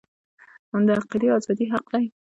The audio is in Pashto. د عقیدې ازادي حق دی